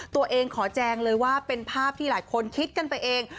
ตัวเองขอแจงเลยว่าเป็นภาพที่หลายคนคิดกันไปเอง